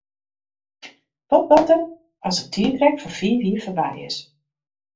Wat bart der as it tiidrek fan fiif jier foarby is?